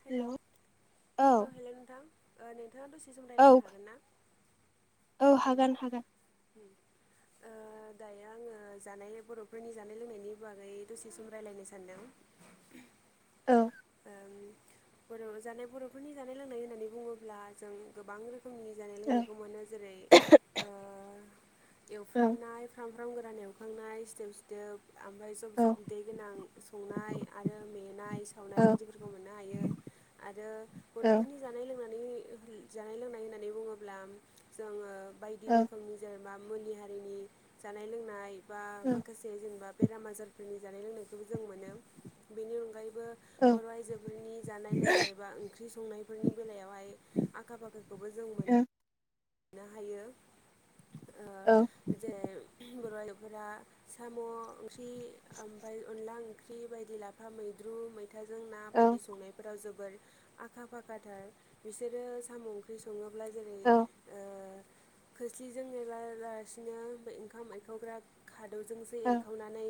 Hello औ हेल' नोंथां नोंथाङा दसे सम औ राय्लायनो हागोन ना। औ हागोन हागोन दायो आङो जानाय बर'फोरनि जानाय लोंनायनि बागै दसे सम रायलायनो सानदों। औ ओम बर' जानाय बर'फोरनि जानाय लोंनाय होननानै बुङोब्ला जों गोबां रोखोमनि रोखोमनि जानाय औ लोंनायखौ मोनो जेरै औ एवफ्रामनाय ओखाम गोरान एवखांनाय सिदोब सिथदोब ओमफ्राय जब औ जब बिदै गोनां संनाय आरो मेनाय औ सावनाय बायदिफोरखौ मोनो। हायो आरो औ बर'फोरनि जानाय लोंनाय जानाय लोंनाय होननानै बुङोब्ला जोङो बायदि औ रोखोमनि जों जेनेबा मुलि हारिनि जानाय लोंनाय बा औ माखासे जेनेबा बेराम आजारफोरनि जानाय लोंनायखौबो जों मोनो बेनि अनगायैबो औ बर' आइजो बेफोरनि जानाय लोंनाय बा ओंख्रि संनायफोरनि बेलायावहाय आखा फाखाखौबो जों औ मोनो। मोननो हायो। औ जे बेवहाय फोरा साम' ओंख्रि ओमफ्राय अनला ओंख्रि बायदि लाफा मैद्रु खोथाजों ना बायदि औ संनायफोराव जोबथा आखा फाखाथार। बिसोरो साम' ओंख्रि सोङोब्ला औ खोस्लिजों नेेरालासिनो ओंखाम एखावग्रा खाद'जों जोंसो औ एरखावनानै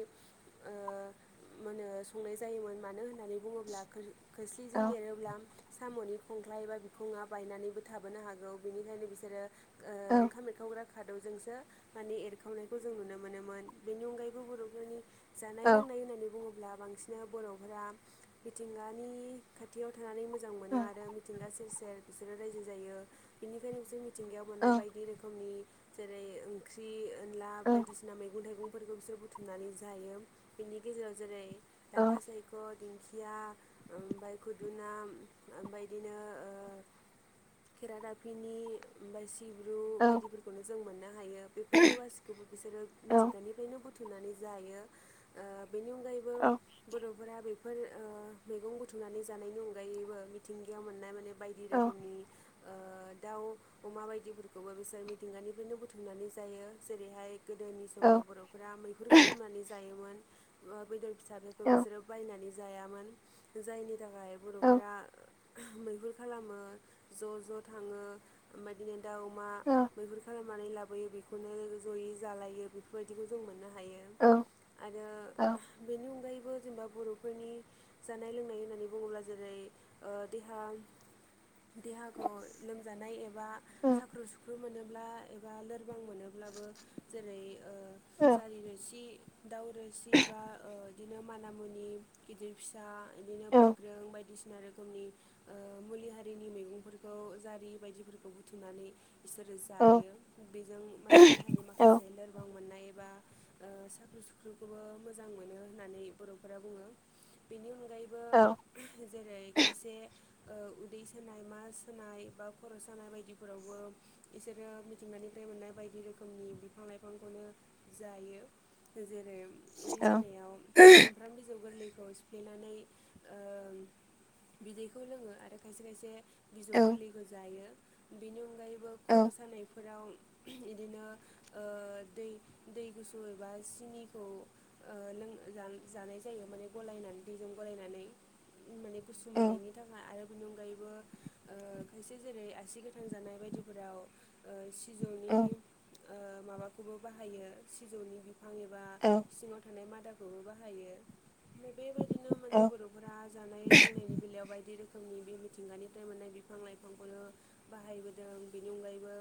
मोनो संनाय जायोमोन। मानो होनोब्ला होननानै बुङोब्ला खोस्लिजों एरोब्ला साम'नि खंख्लाय ए बा बिखङा बायनानैबो थाबोनो हागौ बेनिखायनो बिसोरो ओ ओंखाम एरखावग्रा खादौजोंसो माने एरखावनायखौ जों नुनो मोनोमोन बेनि अनगायैबो बर'फोरनि जानाय लोंनाय होननानै बुङोब्ला बांसिन बर'फोरा मिथिंगानि खाथियाव थानानै मोजां मोनो आरो मिथिंगा सेर सेर बिसोरो रायजो जायो बिनिखायनो बिसोर मिथिंगायाव मोननाय बायदि रोखोमनि जेरै ओंख्रि अनला बायदिसिना मैगं थाइगंफोरखौ बिसोरो बुथुमनानै जायो। बेनि गेजेराव जेरै लाफा सायख' दिंखिया ओमफ्राय खुदुना ओमफ्रा बिदिनो खेराादाफिनि ओमफ्राय सिब्रु बायदिफोरखौनो जों मोनो। हायो। बेफोरखौ गासिखौबो बिसोरो मिथिगानिफ्रायनो बुथुमनानै जायो। बेनि अनगायैबो बर'फोरा बेखौ फोर मैगं बुथुमनानै जानायनि अनगायैबो मिथिंगायाव मोननाय माने बायदि रोखोमनि दाउ अमा बायदिफोरखौबो बिसोर मिथिंगानिफ्रायनो बुथुमनानै जायो। जेरैहाय गोदोनि समाव बर'फोरा मैहुर खालामनानै जायोमोन बेदर फिसाफोरखौ बिसोरो बायनानै जायामोन। जायनि थाखाय बर'फोरा मैहुर खालामो ज' ज' थाङो ओमबायाददिनो दाउ अमा मैहुर खालामनानै लाबोयो बेखौनो जयै जालायो बेफोरबायदिखौ जों मोननो हायो। हायो आरो बेनि अनगायैबो बो जेनेबा बर'फोरनि जानाय लोंनाय होननानै बुङोब्ला जेरै देहा देहाखौ लोमजानाय एबा साख्रु सुख्रु मोनोब्ला एबा लोरबां गोबां मोनोब्लाबो जेरै जारि मिसि दाउ रोसि बा बिदिनो माना मुनि गिदिर फिसा बिदिनो बोग्रों बायदिसिना बायदि रोखोमनि मुलि हारिनि मैगंफोरखौ जारि बायदिफोरखौ बुथुमनानै बिसोरो जायो। बेजों माने देहानि माखासे लोरबां मोननाय एबा साख्रुब रंसुख्रिखौबो मोजां मोनो होननानै बर'फोरा बुङो। बेनि उनाव अनगायैबो जेरै खायसे उदै सोनाय मा सोनाय बा खर' सानाय सानाय बायदिफोरावबो बिसोरो मिथिंगानिफ्राय मोननाय बायदि रोखोमनि बिफां लाइफांखौनो जायो जेरै उदै सानायाव सुमफ्राम बिजौ गोरलै खौ सिफ्लेनानै ओ बिदैखौ लोङो आरो खायसे खायसे बिजौ गोरलैखौ जायो बेनि अनगायैबो खर' सानाय फोराव बिदिनो ओ दै दै गुसु एबा सिनिखौ ओ लों जा जानाय जायो माने गलायनानै दैजों गलायनानै माने गुसु मोननायनि थाखाय आरो बेनि अनगायैबो ओ खायसे जेरै सि गोथां जानाय बायदिफोराव ओ सिजौनि औ। ओ माबाखौबो बाहायो सिजौनि बिफां एबा सिङाव थानाय मादा खौबो बाहायो थिक बेबायदिनो माने बर'फोरा जानाय लोंनायनि बेलायाव बायदि रोखोम जोंनि बे मिथिंगानिफ्राय मोननाय बिफां लाइफांखौनो बाहायबोदों बेनि अनगायैबो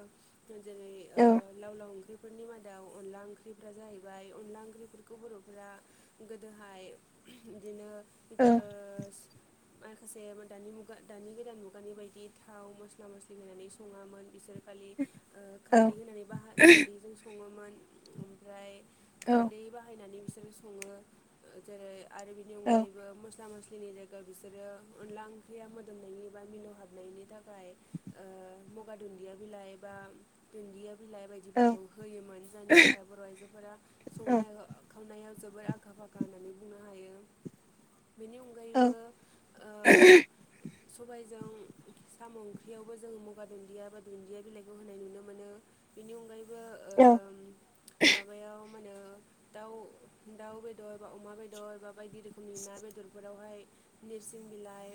जेरै ओ लाव लाव ओंख्रि फोरनि मादाव अनला ओंख्रिफोरा जाहैबाय अनला ओंख्रिफोरखौ बर'फोरा गोदोहाय बिदिनो ओ सि माखासे दानि मुगा दानि गोदान मुगानि बायदि थाव मस्ला मस्लि खारदै होनानै सङामोन बिसोर खालि ओ खारदै होनानै बाह खारदैजों सङोमोन ओमफ्राय खारदै बाहायनानै बिसोरो सङो जेरै आरो बिनि अनगायैबो मस्ला मस्लि जोंनि जायगायाव बिसोरो अनला ओंख्रिया मोदोमनायनि बा मिलौ हाबनायनि थाखाय ओ मुगा दुन्दिया बिलाइ बा दुन्दिया बिलाइ बायदिफोरखौ होयोमोन जायनि थाखाय बर' आइजोफोरा औ संनाय खावनायाव जोबोर आखा होननानै बुंनो हायो बेनि औ। अनगायैबो ओ सबायजों साम' ओंख्रि बेयावबो जोङो मगा दुन्दिया बा दुन्दिया बिलाइखौ होनाय नुनो मोनो बेनि अनगायैबो औ। मोनो दाउ दाउ बेदर बा अमा बेदर बा बायदि रोखोमनि ना बेदरफोरावहाय नोरसिं बिलाइ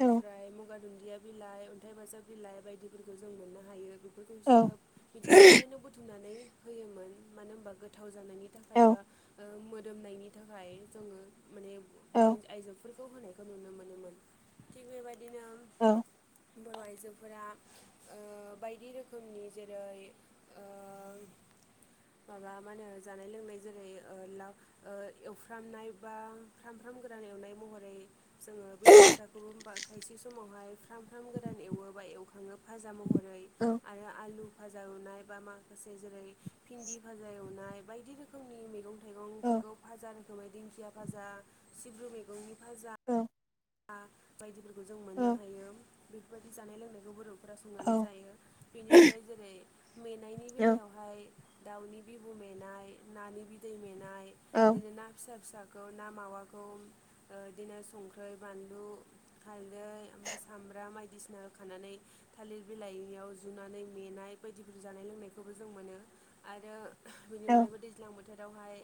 औ मुगा दुन्दिया बिलाइ अन्थाइ बाजाब बिलाइ बायदिफोरखौ जों मोननो हायो बे औ गसया मिथिंगानिफ्रायनो बुथुमनानै होयोमोन मानो होनबा गोथाव जानायनि औ थाखाय बा ओ मोदोमनायनि थाखाय जोङो माने औ बर' आइजो खौ होनायखौ नुनो मोनोमोन थिग बेबायदिनो औ। बर आइजोफोरा बायदि ओ रोखोमनि जेरै ओ माबा मा होनो जानाय लोंनाय जेरै ओ ला एवफ्रामनाय बा फामफ्राम राम गोरान एवनाय महरै जोङो बेदर फिसाखौबो हबा खायसे समावहाय फार्म ओंखाम गोदान एवोबा एवखाङो फाजा महरै औ आरो आलु फाजा एवनाय बा माखासे जेरै भिन्दि भाजा एवनाय बायदि रोखनि मैंने मैंफोरखौ औ फाजा रोखोमै दिंखिया फाजा सिब्रु मैगंनि बाजा औ। आ बायदिफोरखौ जों मोननो औ हायो बेफोरबायदि जानाय लोंनायखौ बर रा संनानै जायो बेनि अनगायै जेरै मेंनायनि बेलायावहाय दाउनि बिबु मेनाय नानि बिदै मेनाय बिदिनो ना फिसा फिसा ना मावाखौ ओ बिदिनो संख्रि ओै बानलु हालदै ओमफ्राय सामब्राम बायदिसिना हो खानानै थालिर बिलाइ याव जुनानै मेनाय बायदिफोर जानाय लोंनायखौबो जों मोनो आरो बेनि अनगायैबो दैज्लां बोथोर बेयावहाय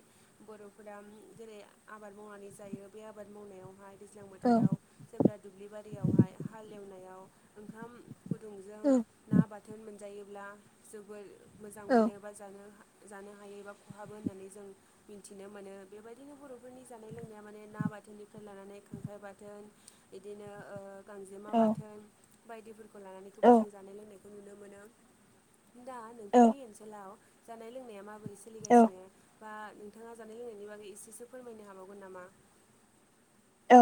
बर'फोरा जेरै आबाद मावनानै जायो बे आबाद मावनायावहाय दैज्लां बोथोराव जेब्ला दुब्लि बारियावहाय हालेवनायाव ओंखाम गुदुंजों ना बाथोन मोनजायोब्ला जोबोद मोजां मोनो बा जानो जानो हायो एबा खहाबो होननानै जों मिथिनो मोनो बेबायदिनो बरफोरनि जानाय लोंनाया माने ना। बाथनिफ्राय लानानै खांख्राइ बाथोन बिदिनो ओ गांजेमा बाथोन बायदिफोरखौ लानानैखौबो जों जानाय लोंनायखौ नुनो मोनो दा औ नोंथांनि ओनसोलाव जानाय लोंनाया माबोरै औ सोलिगासिनो? बा नोंथाङा जानाय लोंनायनि बागै एसेसो फोरमायनो हाबावगोन नामा?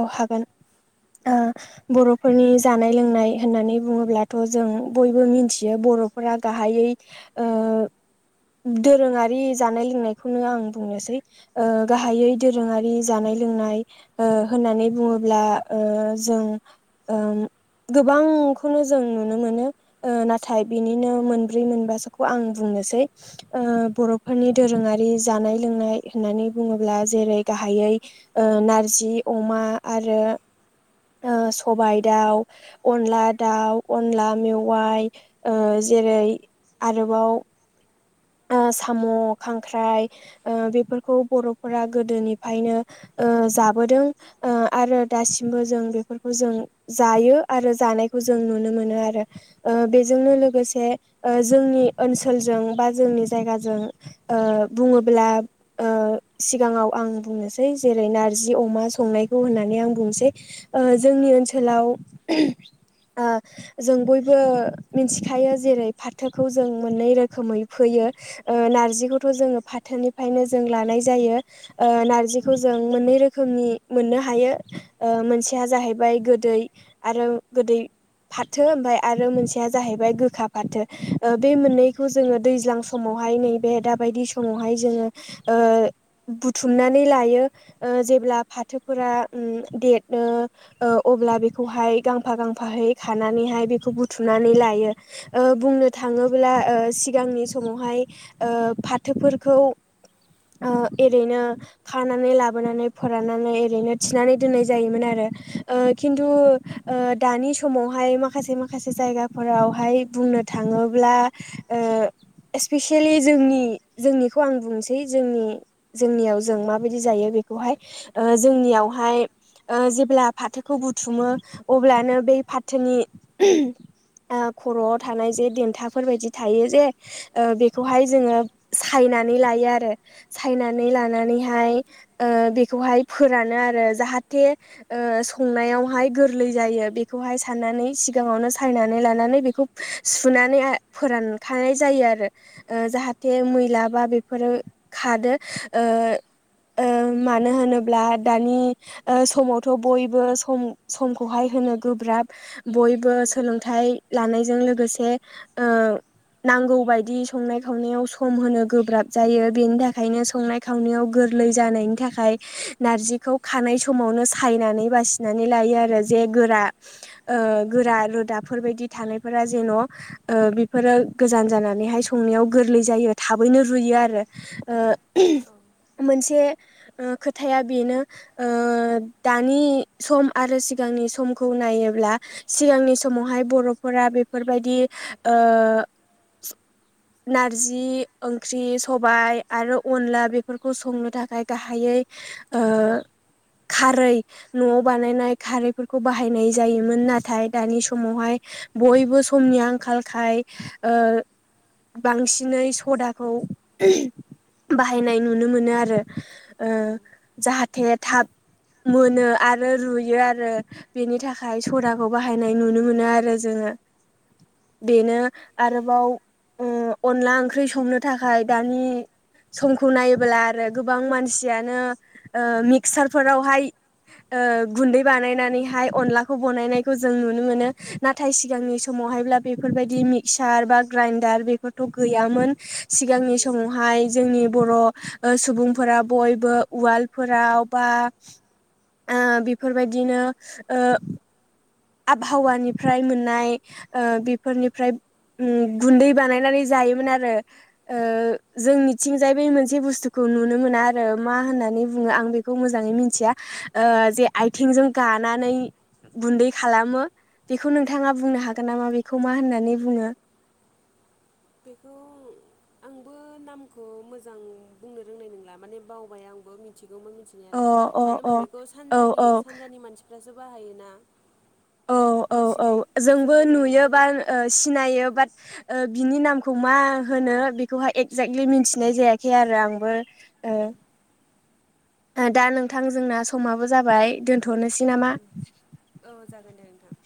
औ हागोन ओ बर फोरनि जानाय लोंनाय होननानै बुङोब्लाथ जों बयबो मिथियो बरफोरा गाहायै ओ दोरोङारि जानाय लोंनायखौनो आं बुंनोसै ओ गाहायै दोरोङारि जानाय लोंनाय ओ होननानै बुङोब्ला ओ जोंओ गोबांखौनो जों नुनो मोनो ओ नाथाय बिनिनो मोनब्रै मोनबासोखौ आं बु़ं। नोसै ओ बरफोरनि दोरोङारि जानाय लोंनाय होननानै बुङोब्ला जेरै गाहाय यै नारजि अमा आरो सबाय दाउ अनला दाउ अनला मेवाइ जेरै आरोबाव ओ [unintelligible] साम खांख्राइ बेफोरखौ बरफोरा गोदोनिनो ओ जा बोदों ओ आरो दासिमबो जों बेफोरखौ जों जायो आरो जानायखौ जों नुनो मोन नो आरो बेजोंनो लोगोसे ओ जोंनि ओनसोलजों बा जोंनि जायगाजों ओ बुङोब्ला सिगाङाव आं बुंनोसै जे जेरै नारजि अमा संनायखौ होननानै आं बुंनोसै। ओ औ जोंनि ओनसोलाव ओ जों बयबो मिथिखायो जेरै फाथोखौ जों मोननै रोखोमै फैयो नारजिखौथ जोङो फाथोनिफ्रायनो जों लानाय जायो औ नारजिखौ जों जों मोननै रोखोमनि मोननो हायो ओ मोनसेया जाहैबाय गोदै आरो गोदै फाथो ओमफाय आरो मोनसेया जाहैबाय गोखा फाथो बे मोननैखौ जोङो। दैज्लां समावहाय नैबे दाबायदि समावहाय जोङो ओ बुथुमनानै लायो जेब्ला फाथोफोरा देरनो ओ ओ। अब्ला बेखौहाय गांफा गांफाहाय खानानैहाय बेखौ बुथुमनानै लायो बुंनो थाङो। ङोब्ला सिगांनि समावहाय फाथोफोरखौ ओ एरैनो खानानै लाबोनानै फोराननानै ओरैनो थिनानै दोननाय जायोमोन आरो ओ खिन्थु ओ दानि समावहाय माखासे माखासे जायगाफोरावहाय बुंनो थांङोब्ला ओ स्पिसियेलि जोंनि जोंनिखौ आं बुंनोसै जोंनि जोंनियाव जों माबायदि जा यो बेखौहाय ओ जोंनियावहाय ओ जेब्ला फाथोखौ बुथुमो अब्लानो बै फाथोनि ओ खर'आव थानाय जे देन्थाफोरबायदि थायो जे ओ बेखौहाय जोंङो सायनानै लायो आरो औ सायनानै लानानैहाय ओ बेखौ हाय फोरानो आरो जाहाथे ओ संनायावहाय गोरलै जायो। बेखौहाय साननानै सिगांङावनो सायनानै लानानै बेखौ सुनानै आ फोरानखानाय जायो आरो ओ जाहाथे मैलाबा बेफोरो खादो ओ ओ मानो होनोब्ला दानि समावथ बयबो सम समखौहाय होनो गोब्राब बयबो सोलोंथाइ लानायजों लोगोसे ओ नांगौ बायदि संनाय खावनायाव सम होनो गोब्राब जायो बेनि थाखायनो संनाय खावनायाव गोरलै जानायनि थाखाय नारजिखौ खानाय समावनो सायनानै बासिनानै लायो आरो जे गोरा ओ गोरा रोदाफोरबायायदि थानायफोरा जेन ओ बेफोरो गोजान जानानैहाय संनायाव गोरलै जायो थाबैनो रुयो आरो ओ औ मोनसे खोथाया बेनो ओ ओ दानि सम आरो सिगांनि समखौ नायोब्ला सिगांनि समावहाय बर' फोरा बेफोरबायदि ओ नारजि ओंख्रि सबाय आरो अनला बेफोरखौ संनो थाखाय गाहायै यै ओ खारै न'आव बानायनाय खारैफोरखौ बाहायनाय जायोमोन नाथाय दानि समावहाय बयबो समनि आंखालखाय ओ [inaudible] बांसिनै सदाखौ बाहायनाय नुनो मोनो आरो, ओ औ जाहाथे थाब मोनो आरो रुयो आरो बेनि थाखाय सदाखौ बाहायनाय नुनो मोनो आरो जों ओ बेनो आव ओ अनला ओंख्रै संनो थाखाय दानि सम खौ नायोब्ला आरो गोबां मानसियानो ओ मिक्सार फोरावहाय ओ गुन्दै बानायनानैहाय अनलाखौ बनायनायखौ जों नुनो मोनो। नाथाय सिगांनि नंगौ समावहायब्ला बेफोरबायदि मिक्सार बा ग्राइडार बेफोरथ गैयामोन। सिगांनि समावहाय जोंनि बर' ओ सुबुंफोरा बयबो उवालफोराव बा ओ बेफोरबायदिनो ओ आबहावानिफ्राय मोननाय ओ बेफोरनिफ्राय उम गुन्दै बानायनानै जायोमोन आरो ओ जोंनिथिंजाय बे मोनसे बुस्थुखौ नुनो मोना आरो मा होननानै बुंङो आं बे मोेजांङै मिनथिया ओ‌ जे आइथेंजों गाना नानै गुन्दै खालामो बेखौ नोंथांङा बुंनो हागोन नामा बेखौ मा होननानै बुंङो? बेखौ आंबो नामखौ मोजां बुंनो रोंनाय नंला माने बावबाय आं आंबो मिथिगौमोन अ मिथिनायालाय अ मानो होनबा अ बेखौ औ सानजानि औ सानजानि मानसिफ्रासो बाहायोना औ औ औ बांसिनै जों जोंबो ओरै जोङो नुयोबा सिनायो बा ओ बिनि नामखौ मा होनो बेखौहाय एक्जाक्टलि मिथिनाय जायाखै आरो आंबो। ओ [inaudible] दा नोंथां जोंना समाबो जाबाय दोनथनोसै नामा? उम। औ जागोन दे नोंथां।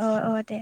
अ अ दे